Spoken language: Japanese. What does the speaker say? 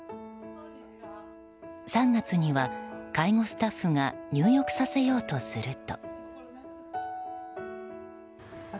３月には介護スタッフが入浴させようとすると。